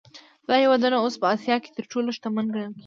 دا هېوادونه اوس په اسیا کې تر ټولو شتمن ګڼل کېږي.